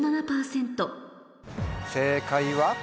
正解は？